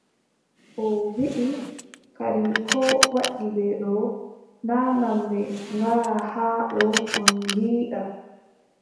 O wiʼi kadi koo waddi ɓe ɗo, naa ngam ɓe ngara haa ɗo on ngiida.